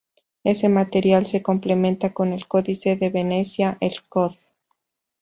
Este material se complementa con el códice de Venecia, el "Cod.